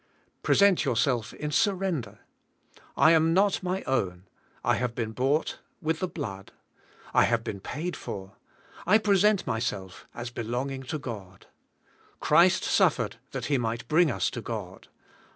Present yourself in surrender. I am not my own, YIKI*D YOURSKI<VKS UNTO GOD. 207 I have been bought with the blood. I have been paid for. I present myself as belong ing to God. Christ suffered that He mig ht bring us to God.